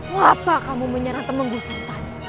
kenapa kamu menyerang temenggu sultan